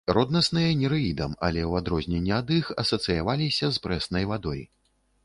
Роднасныя нерэідам, але ў адрозненне ад іх асацыяваліся з прэснай вадой.